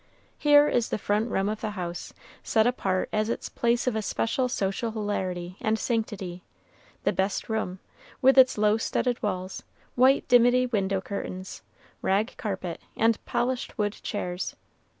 Here is the front room of the house, set apart as its place of especial social hilarity and sanctity, the "best room," with its low studded walls, white dimity window curtains, rag carpet, and polished wood chairs.